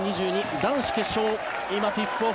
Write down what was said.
男子決勝今ティップオフ。